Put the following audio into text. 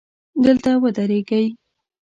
دلته ودرېږئ